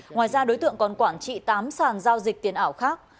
ngoài ra đối tượng còn quản trị tám sàn giao dịch tiền ảo khác